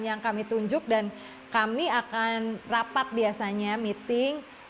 yang kami tunjuk dan kami akan rapat biasanya meeting